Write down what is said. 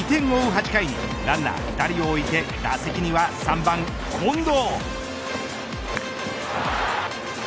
８回ランナー２人を置いて打席には３番、近藤。